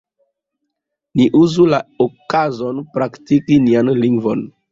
Ni uzu la okazon praktiki nian lingvon!